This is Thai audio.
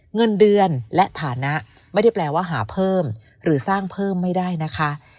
เงินเดือนและฐานะไม่ได้แปลว่าหาเพิ่มหรือสร้างเพิ่มไม่ได้นะคะ